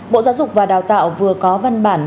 bộ giáo dục và đào tạo vừa có văn bản